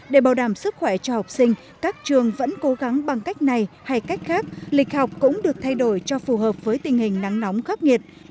để bảo đảm sức khỏe cho học sinh các trường vẫn cố gắng bằng cách này hay cách khác lịch học cũng được thay đổi cho phù hợp với tình hình nắng nóng khắc nghiệt